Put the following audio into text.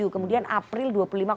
kemudian april dua puluh lima